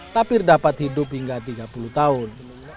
tapir dapat hidup hingga tiga puluh tahun